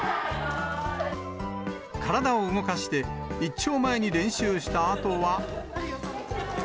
体を動かして、一丁前に練習したあとは。